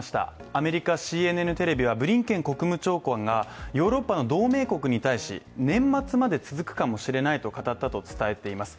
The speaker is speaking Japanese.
アメリカＣＮＮテレビはブリンケン国務長官がヨーロッパの同盟国に対し、年末まで続くかもしれないと語ったと伝えています。